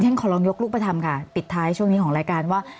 อย่างนั้นขอลองยกลูกประธรรมค่ะปิดท้ายช่วงนี้ของรายการว่า